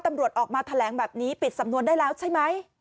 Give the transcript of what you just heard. ตำรวจออกมาแถลงแบบนี้ปิดสำนวนได้แล้วใช่ไหม